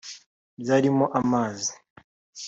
byarimo amazi